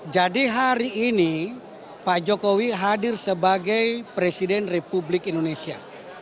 jadi hari ini pak jokowi hadir sebagai presiden republik indonesia